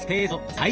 はい。